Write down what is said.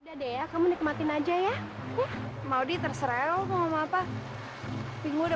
dede ya kamu nikmatin aja ya mau di terserah apa ngomong apa tinggal